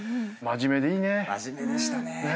真面目でしたね。